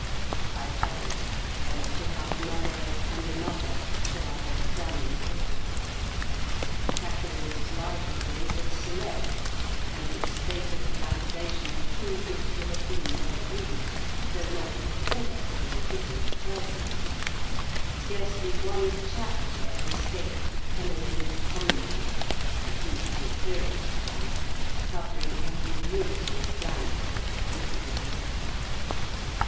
I shut it, and took up another and another, till I had examined all. Catherine's library was select, and its state of dilapidation proved it to have been well used, though not altogether for a legitimate purpose: scarcely one chapter had escaped a pen and ink commentary—at least the appearance of one—covering every morsel of blank that the printer had left.